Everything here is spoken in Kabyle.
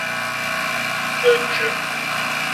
Eǧǧ.